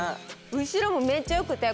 後ろもめっちゃ良くて。